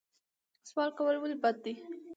سوال کول ولې بد دي؟